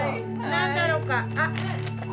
何だろうか？